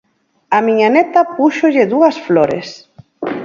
A miña neta púxolle dúas flores.